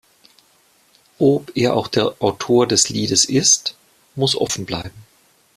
Ob er auch der Autor des Liedes ist, muss offenbleiben.